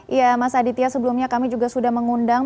iya mas aditya sebelumnya kami juga sudah mengundang